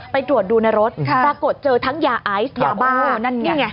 ไปตรวจดูในรถปรากฏเจอทั้งยาไอซ์ยาบ้านั่นนี่ไง